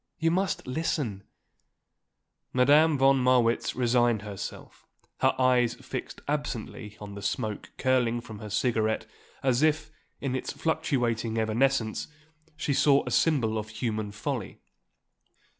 You must listen." Madame von Marwitz resigned herself, her eyes fixed absently on the smoke curling from her cigarette as if, in its fluctuating evanescence, she saw a symbol of human folly.